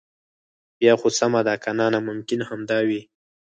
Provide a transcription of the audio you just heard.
بیا خو سمه ده کنه ناممکن همدا وي.